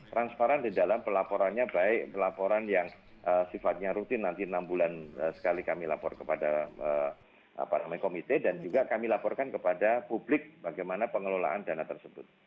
transparan di dalam pelaporannya baik pelaporan yang sifatnya rutin nanti enam bulan sekali kami lapor kepada komite dan juga kami laporkan kepada publik bagaimana pengelolaan dana tersebut